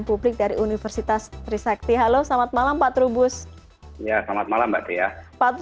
publik dari universitas trisakti halo selamat malam pak trubus ya selamat malam mbak pria pak